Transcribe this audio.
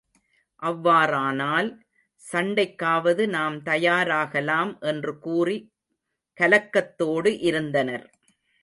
அவ்வாறானால், சண்டைக்காவது நாம் தயாராகலாம் என்று கூறி கலக்கத்தோடு இருந்தனர்.